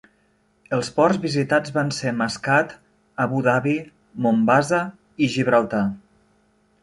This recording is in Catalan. Els ports visitats van ser Masqat, Abu Dhabi, Mombasa i Gibraltar.